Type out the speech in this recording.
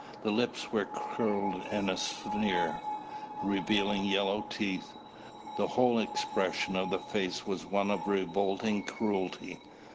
The lips were curled in a sneer, revealing yellow teeth. The whole expression of the face was one of revolting cruelty.